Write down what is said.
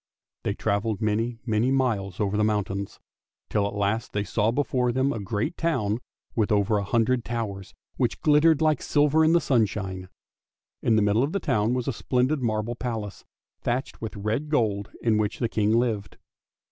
They travelled many, many miles over the mountains, till at THE TRAVELLING COMPANIONS 373 last they saw before them a great town with over a hundred towers, which glittered like silver in the sunshine. In the middle of the town was a splendid marble palace, thatched with red gold, in which the King lived.